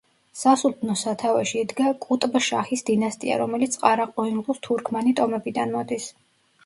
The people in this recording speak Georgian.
სასულთნოს სათავეში იდგა კუტბ შაჰის დინასტია, რომელიც ყარა-ყოინლუს თურქმანი ტომებიდან მოდის.